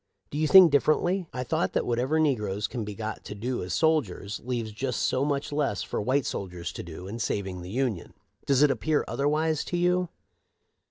Do you think dif ferently ? I thought that whatever negroes can be got to do as soldiers leaves just so much less for white soldiers to do, in saving the Union. Does it appear otherwise to you